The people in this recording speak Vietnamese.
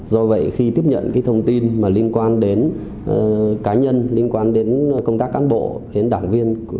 do vậy khi tiếp nhận cái thông tin mà liên quan đến cá nhân liên quan đến công tác cán bộ đến đảng viên